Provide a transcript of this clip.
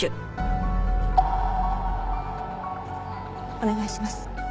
お願いします。